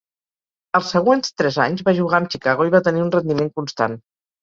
Els següents tres anys va jugar amb Chicago i va tenir un rendiment constant.